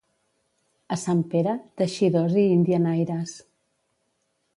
A Sant Pere, teixidors i indianaires.